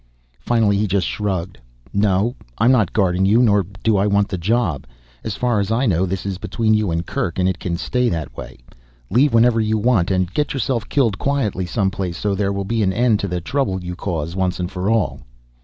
Finally he just shrugged. "No, I'm not guarding you nor do I want the job. As far as I know this is between you and Kerk and it can stay that way. Leave whenever you want. And get yourself killed quietly some place so there will be an end to the trouble you cause once and for all."